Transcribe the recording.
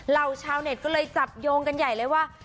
เหล่าชาวเน็ตก็เลยจับโยงกันใหญ่เลยว่า